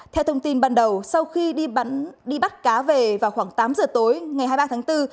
theo thông tin ban đầu sau khi đi bắt cá về vào khoảng tám giờ tối ngày hai mươi ba tháng bốn